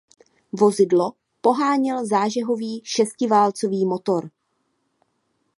Vozidlo poháněl zážehový šestiválcový motor.